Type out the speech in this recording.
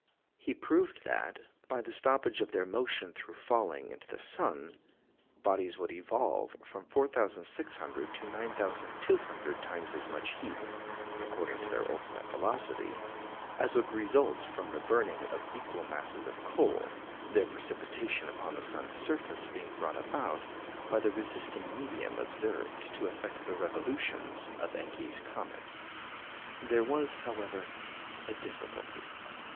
He proved that, by the stoppage of their motion through falling into the sun, bodies would evolve from 4,600 to 9,200 times as much heat (according to their ultimate velocity) as would result from the burning of equal masses of coal, their precipitation upon the sun's surface being brought about by the resisting medium observed to affect the revolutions of Encke's comet. There was, however, a difficulty.